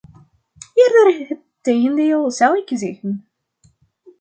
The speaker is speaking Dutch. Eerder het tegendeel, zou ik zeggen.